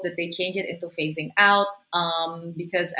saya berharap mereka akan mengubahnya